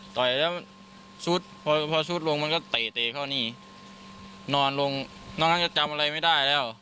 ต่อยแล้วซุดพอพอซุดลงมันก็เตะเตะเข้านี่นอนลงน้องนั้นจะจำอะไรไม่ได้แล้ว